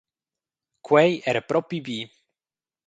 Quei era propi bi.